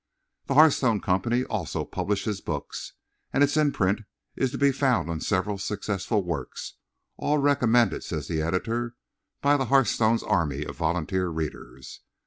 The Hearthstone Company also publishes books, and its imprint is to be found on several successful works—all recommended, says the editor, by the Hearthstone's army of volunteer readers.